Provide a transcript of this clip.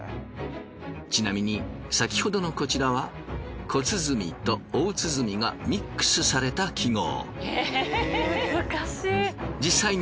ちなみに先ほどのこちらは小鼓と大鼓がミックスされた記号。